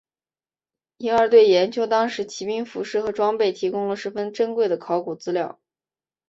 因而对研究当时骑兵服饰和装备提供了十分珍贵的考古资料。